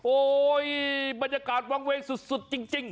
บรรยากาศวางเวงสุดจริง